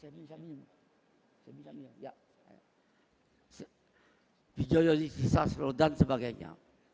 widjo yoyogi sasro dan sebagainya